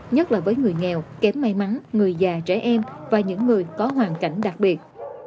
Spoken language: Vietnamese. nhất là với người nghèo kém may mắn người già trẻ em và những người có hoàn cảnh đặc biệt